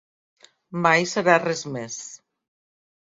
Mai serà res més.